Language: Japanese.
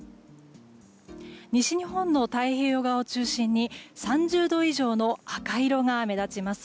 西日本の太平洋側を中心に３０度以上の赤色が目立ちます。